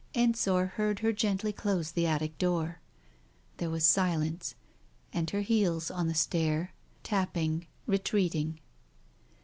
Ensor heard her gently close the attic door. There was silence, and her heels, on the stair, tapped ... retreating.